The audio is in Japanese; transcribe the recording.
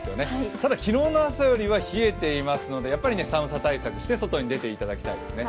ただ、昨日の朝よりは冷えていますので、やはり寒さ対策をして外に出ていただきたいですね。